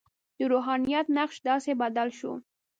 د روحانیت نقش داسې بدل شو.